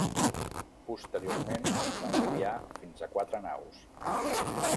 Posteriorment s'amplià fins a quatre naus.